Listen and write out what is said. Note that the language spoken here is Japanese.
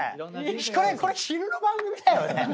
これ昼の番組だよね